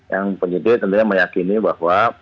yang penyidik tentunya meyakini bahwa